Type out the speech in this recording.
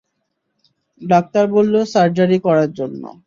Doctor বলল surgery করার জন্য।